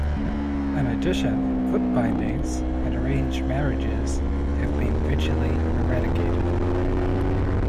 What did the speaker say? In addition, foot binding and arranged marriages have been virtually eradicated.